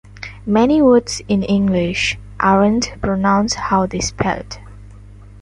Many words in English aren't pronounced how they're spelt.